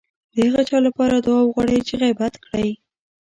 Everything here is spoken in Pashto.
د هغه چا لپاره دعا وغواړئ چې غيبت کړی.